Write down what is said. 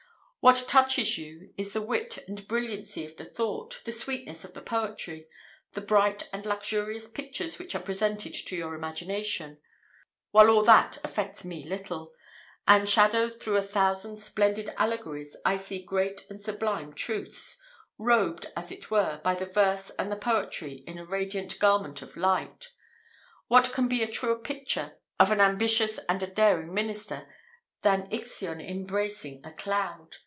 What touches you is the wit and brilliancy of the thought, the sweetness of the poetry, the bright and luxurious pictures which are presented to your imagination: while all that affects me little; and, shadowed through a thousand splendid allegories, I see great and sublime truths, robed, as it were, by the verse and the poetry in a radiant garment of light. What can be a truer picture of an ambitious and a daring minister, than Ixion embracing a cloud?"